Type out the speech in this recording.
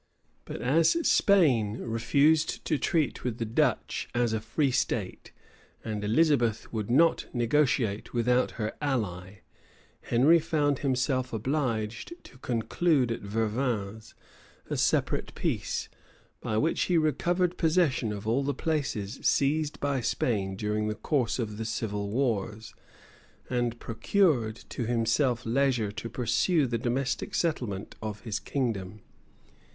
But as Spain refused to treat with the Dutch as a free state, and Elizabeth would not negotiate without her ally, Henry found himself obliged to conclude at Vervins a separate peace, by which he recovered possession of all the places seized by Spain during the course of the civil wars, and procured to himself leisure to pursue the domestic settlement of his kingdom.